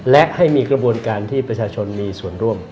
และให้มีกระบวนการที่ประชาชนมีส่วนร่วม